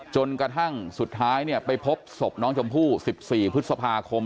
จนกระทั่งสุดท้ายไปพบศพน้องชมพู่๑๔พฤษภาคม